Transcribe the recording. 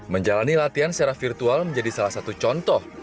menjalani latihan secara virtual menjadi salah satu contoh